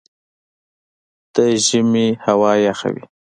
د ژمي هوا یخه وي